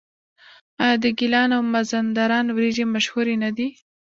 آیا د ګیلان او مازندران وریجې مشهورې نه دي؟